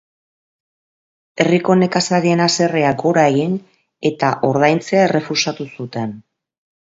Herriko nekazarien haserreak gora egin eta ordaintzea errefusatu zuten.